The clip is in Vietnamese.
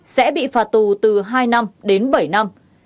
sẽ bị phạt tù từ hai năm đến bảy năm